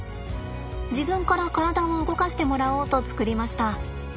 自分から体を動かしてもらおうと作りました。